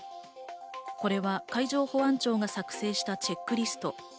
これは海上保安庁が作成したチェックリスト。